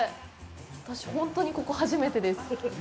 私、ほんとにここ初めてです。